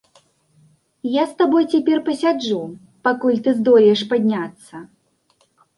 Я з табой цяпер пасяджу, пакуль ты здолееш падняцца.